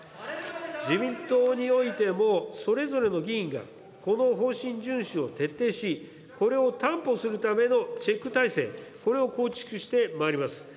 自民党においても、それぞれの議員がこの方針順守を徹底し、これを担保するためのチェック体制、これを構築してまいります。